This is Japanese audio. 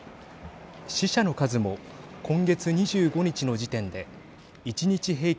死者の数も今月２５日の時点で１日平均